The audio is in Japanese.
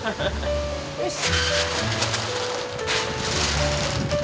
よし！